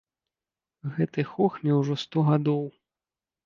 Гэтай хохме ўжо сто гадоў.